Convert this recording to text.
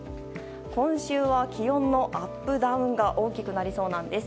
今週は気温のアップダウンが大きくなりそうなんです。